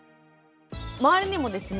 周りにもですね